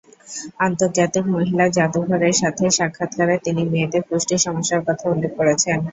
আন্তর্জাতিক মহিলা জাদুঘর এর সাথে সাক্ষাৎকারে তিনি মেয়েদের পুষ্টি সমস্যার কথা উল্লেখ করেছেন।